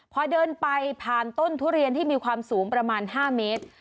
พอเดินไปผ่านต้นทุเรียนที่มีความสูงประมาณ๕เมตร